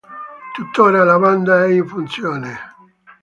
Tuttora la banda è in funzione.